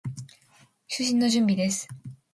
就寝の準備です。